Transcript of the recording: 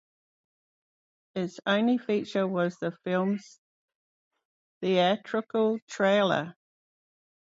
Its only feature was the film's theatrical trailer.